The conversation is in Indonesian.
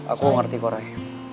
aku ngerti koray